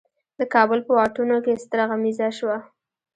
د کابل په واټونو کې ستره غمیزه شوه.